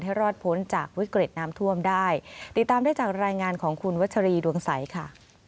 รอดพ้นจากวิกฤตน้ำท่วมได้ติดตามได้จากรายงานของคุณวัชรีดวงใสค่ะ